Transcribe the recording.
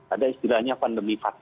ada istilahnya pandemi empat